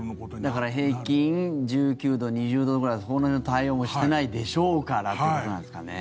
だから平均１９度、２０度くらいだとそこら辺の対応もしてないでしょうからということなんですかね。